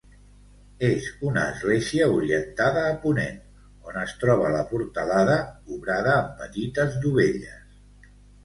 És una església orientada a ponent, on es troba la portalada, obrada amb petites dovelles.